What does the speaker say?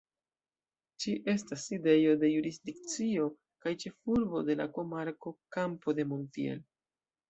Ĝi estas sidejo de jurisdikcio kaj ĉefurbo de la komarko Campo de Montiel.